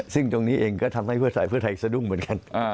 ซึ่งตรงนี้เองก็ทำให้เพื่อสายเพื่อไทยสะดุ้งเหมือนกัน